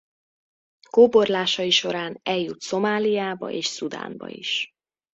Kóborlásai során eljut Szomáliába és Szudánba is.